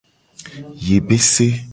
Yebese.